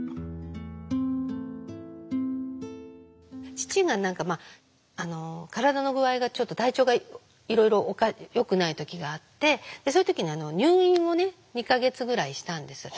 父が何か体の具合がちょっと体調がいろいろよくない時があってその時に入院をね２か月ぐらいしたんです。